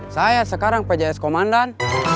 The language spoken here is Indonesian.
saya sekarang pjs komandan